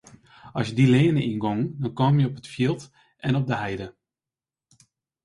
As je dy leane yngongen dan kamen je op it fjild en de heide.